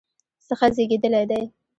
څخه زیږیدلی دی